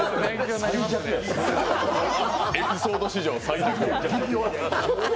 エピソード史上最悪。